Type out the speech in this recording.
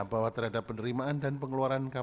bahwa terhadap penerimaan dan pengeluaran